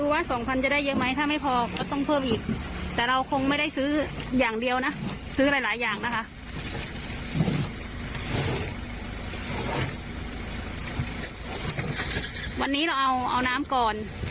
วันนี้เราเอาน้ำก่อน